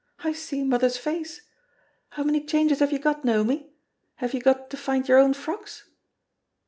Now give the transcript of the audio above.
I see mother's face! How many changes have you got, Naomi? have you got to find your own frocks?'